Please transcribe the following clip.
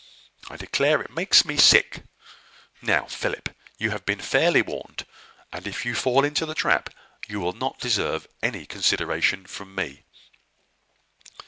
I declare it makes me sick. Now, Philip, you have been fairly warned; and if you fall into the trap, you will not deserve any consideration from me."